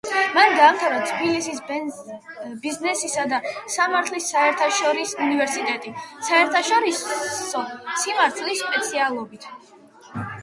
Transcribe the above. მან დაამთავრა თბილისის ბიზნესისა და სამართლის საერთაშორისო უნივერსიტეტი საერთაშორისო სამართლის სპეციალობით.